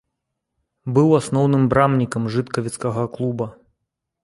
Быў асноўным брамнікам жыткавіцкага клуба.